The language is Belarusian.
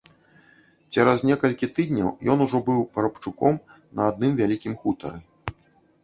Цераз некалькі тыдняў ён ужо быў парабчуком на адным вялікім хутары.